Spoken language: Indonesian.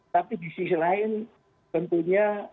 tapi di sisi lain tentunya